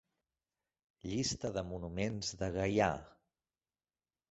Llista de monuments de Gaià.